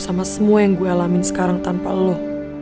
sama semua yang gue alamin sekarang tanpa lo